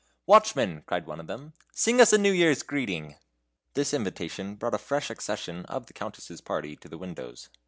"Watchman," cried one of them, "sing us a New Year's greeting!" This invitation brought a fresh accession of the Countess' party to the windows.